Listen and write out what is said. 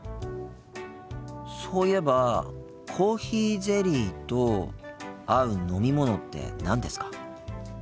そういえばコーヒーゼリーと合う飲み物って何ですか？